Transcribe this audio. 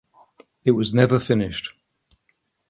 It was never finished.